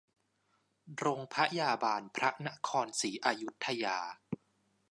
โรงพยาบาลพระนครศรีอยุธยา